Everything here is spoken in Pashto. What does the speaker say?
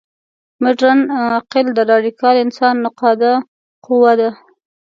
مډرن عقل د راډیکال انسان نقاده قوه ده.